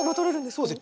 そうですよ